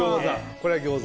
これは餃子。